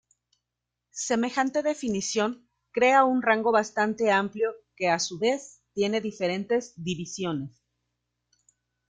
Semejante definición crea un rango bastante amplio que a su vez tiene diferentes divisiones.